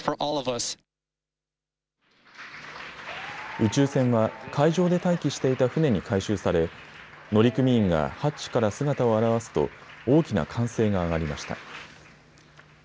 宇宙船は海上で待機していた船に回収され、乗組員がハッチから姿を現すと、大きな歓声が上がりました。